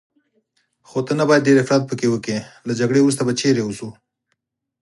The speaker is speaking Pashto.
خو ته نه باید ډېر افراط پکې وکړې، له جګړې وروسته به چیرې اوسو؟